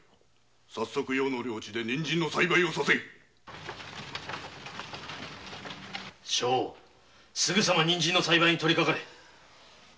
早速余の領地で人参の栽培をさせいすぐに人参の栽培にとりかかれお断りします。